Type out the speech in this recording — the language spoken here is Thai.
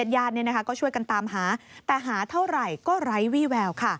ญาติก็ช่วยกันตามหาแต่หาเท่าไหร่ก็ไร้วี่แวว